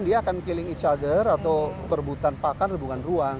dia akan killing each other atau berebutan pakan bukan ruang